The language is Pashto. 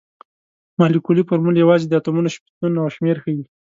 مالیکولي فورمول یوازې د اتومونو شتون او شمیر ښيي.